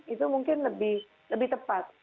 itu mungkin lebih tepat